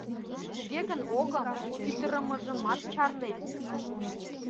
Туге гын огым, пӱтырымыжымат чарнем.